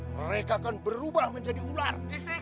mereka akan berubah menjadi ular